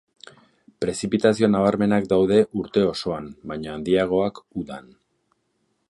Prezipitazio nabarmenak daude urte osoan, baina handiagoak udan.